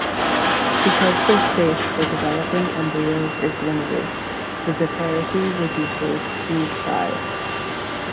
Because the space for developing embryos is limited, viviparity reduces brood size.